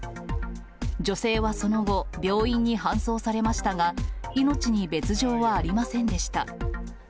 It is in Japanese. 女性はその後、病院に搬送されましたが、命に別状はありませんでした。